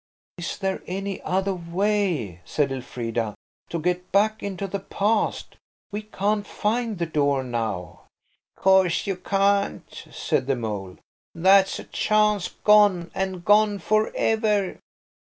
"Is there any other way," said Elfrida, "to get back into the past? We can't find the door now." "Course you can't," said the mole. "That's a chance gone, and gone for ever.